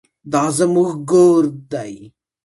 دا زموږ ګور دی